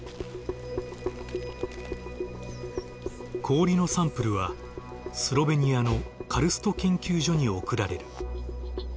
氷のサンプルはスロベニアのカルスト研究所に送られる。